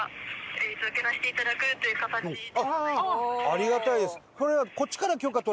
ありがたいです。